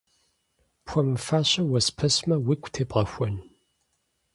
Пхуэмыфащэ уэспэсмэ, уигу тебгъэхуэн?